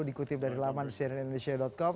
dikutip dari laman cnnindonesia com